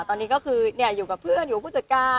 ตอนนี้ก็คืออยู่กับเพื่อนอยู่กับผู้จัดการ